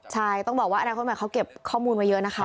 ใช่ต้องบอกว่าอนาคตใหม่เขาเก็บข้อมูลมาเยอะนะคะ